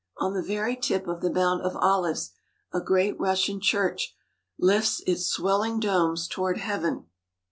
On the very top of the Mount of Olives a great Russian church lifts its swelling domes toward heaven.